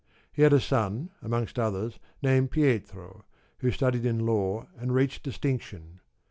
He had a son, amongst others, named Pietro, who studied in Law and reached distinction.